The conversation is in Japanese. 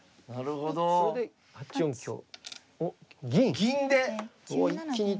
銀で！